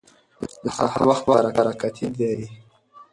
د سهار وخت برکتي دی.